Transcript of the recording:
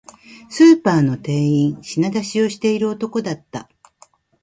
スーパーの店員、品出しをしている男だった